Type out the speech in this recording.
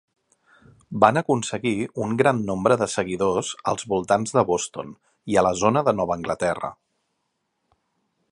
Van aconseguir un gran nombre de seguidors als voltants de Boston i a la zona de Nova Anglaterra.